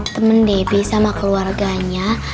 temen debbie sama keluarganya